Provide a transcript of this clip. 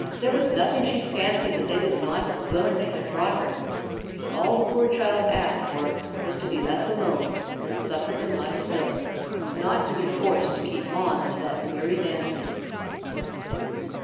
There was nothing she fancied that they would not willingly have brought her; but all the poor child asked for was to be left alone and suffered to lie still, not to be forced to keep on with that weary dancing!